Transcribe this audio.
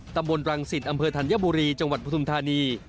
ตำบลรังสิตอำเภอธัญบุรีจังหวัดปฐุมธานี